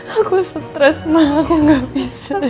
aku stres ma aku gak bisa begini